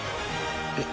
えっ？